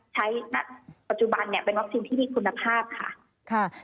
ใช้ปัจจุบันเป็นวัคซีนที่มีคุณภาพ